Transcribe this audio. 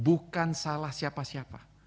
bukan salah siapa siapa